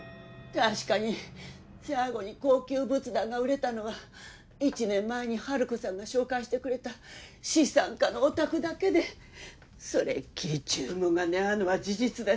確かに最後に高級仏壇が売れたのは１年前にハルコさんが紹介してくれた資産家のお宅だけでそれっきり注文がにゃあのは事実だし。